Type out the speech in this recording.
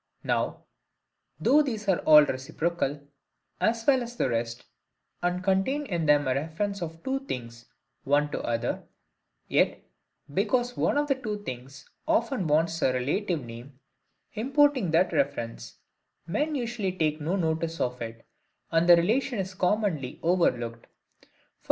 Now, though these are all reciprocal, as well as the rest, and contain in them a reference of two things one to the other; yet, because one of the two things often wants a relative name, importing that reference, men usually take no notice of it, and the relation is commonly overlooked: v. g.